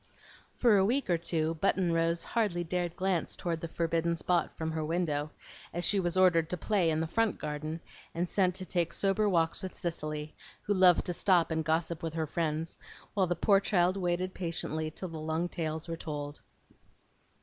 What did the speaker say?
For a week or two, Button Rose hardly dared glance toward the forbidden spot from her window, as she was ordered to play in the front garden, and sent to take sober walks with Cicely, who loved to stop and gossip with her friends, while the poor child waited patiently till the long tales were told.